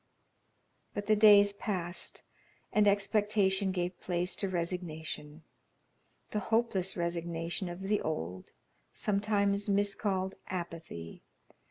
But the days passed, and expectation gave place to resignation the hopeless resignation of the old, sometimes miscalled, apathy.